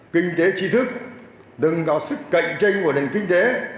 kinh tế trí thức nâng cao sức cạnh tranh của nền kinh tế